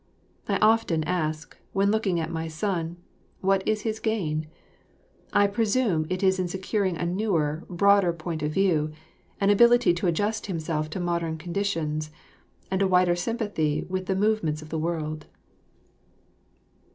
I often ask, when looking at my son, what is his gain? I presume it is in securing a newer, broader point of view, an ability to adjust himself to modern conditions, and a wider sympathy with the movements of the world.